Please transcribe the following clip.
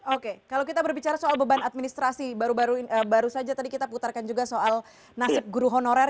oke kalau kita berbicara soal beban administrasi baru saja tadi kita putarkan juga soal nasib guru honorer